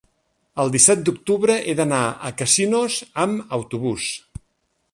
El disset d'octubre he d'anar a Casinos amb autobús.